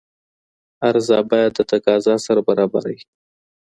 عرضه بايد د تقاضا سره برابره وي.